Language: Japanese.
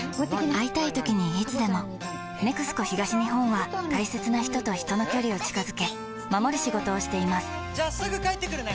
会いたいときにいつでも「ＮＥＸＣＯ東日本」は大切な人と人の距離を近づけ守る仕事をしていますじゃあすぐ帰ってくるね！